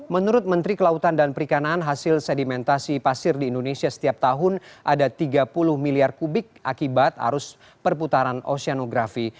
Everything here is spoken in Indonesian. menurut menteri kelautan dan perikanan hasil sedimentasi pasir di indonesia setiap tahun ada tiga puluh miliar kubik akibat arus perputaran oseanografi